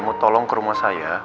mau tolong ke rumah saya